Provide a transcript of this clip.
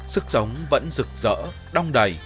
sức sống vẫn rực rỡ đong đầy